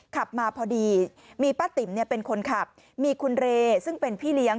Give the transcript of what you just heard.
ขับมาพอดีมีป้าติ๋มเป็นคนขับมีคุณเรซึ่งเป็นพี่เลี้ยง